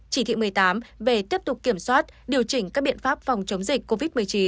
chỉ thị một mươi tám về tiếp tục kiểm soát điều chỉnh các biện pháp phòng chống dịch covid một mươi chín